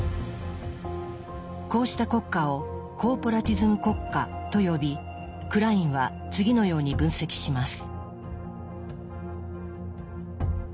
こうした国家を「コーポラティズム国家」と呼びクラインは次のように分析します。